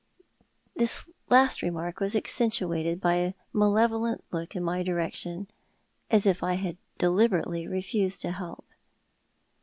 This last remark was accentuated by a malevolent look in my direction, as if I had deliberately refused to help.